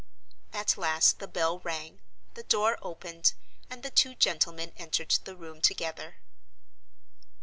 At last the bell rang, the door opened, and the two gentlemen entered the room together.